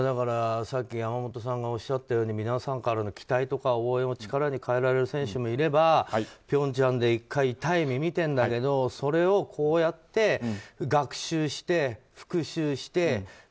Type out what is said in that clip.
さっき山本さんがおっしゃったように皆さんからの期待とか応援を力に変えられる選手もいれば平昌で１回痛い目を見てるんだけどそれをこうやって学習して、復習して。